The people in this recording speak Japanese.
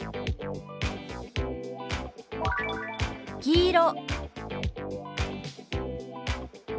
「黄色」。